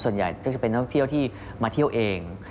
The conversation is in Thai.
ส่วนใหญ่ก็จะเป็นท่องเที่ยวที่มาเที่ยวเอง